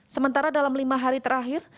sementara dalam lima hari terakhir